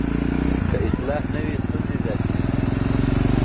که اصلاح نه وي، ستونزې زیاتېږي.